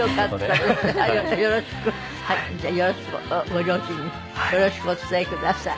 ご両親によろしくお伝えください。